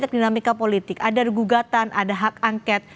ada kemikapolitik ada gugatan ada hak angket